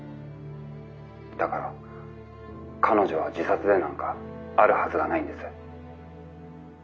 だから彼女は自殺でなんかあるはずがないんです」。